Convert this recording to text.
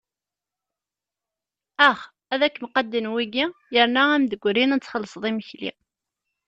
Ax, ad kem-qadden wiki, yerna ad am-d-grin ad txelṣeḍ imekli.